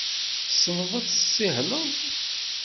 Tessneḍ ad tessihleḍ?